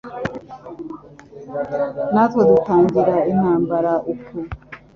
natwe dutangira intambara uko,